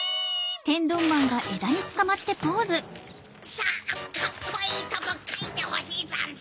・さぁカッコいいとこかいてほしいざんす。